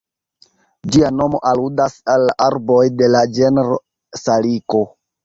Ĝia nomo aludas al la arboj de la genro Saliko.